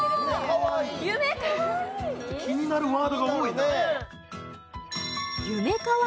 気になるワードが多いな気になるね